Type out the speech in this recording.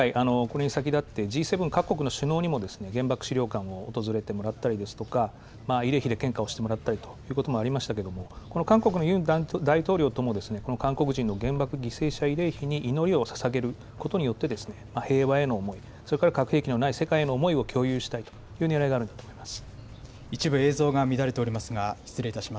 今回、これに先立って、Ｇ７各国の首脳にも原爆資料館を訪れてもらったりですとか、慰霊碑で献花をしてもらったりということもありましたけれども、この韓国のユン大統領とも、この韓国人の原爆犠牲者慰霊碑に祈りをささげることによって、平和への思い、それから核兵器のない世界への思いを共有したいというねらいがあると思います。